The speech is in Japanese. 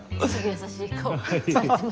優しい顔。